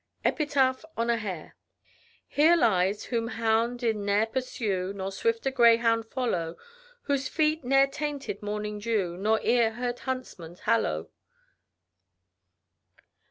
EPITAPH ON A HARE. Here lies, whom hound did ne'er pursue, Nor swifter greyhound follow, Whose feet ne'er tainted morning dew, Nor ear heard huntsman's hallo.